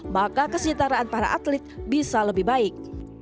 maka kesetaraan para atlet bisa lebih baik